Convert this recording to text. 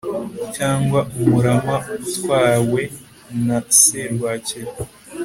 cyangwa umurama utwawe na serwakira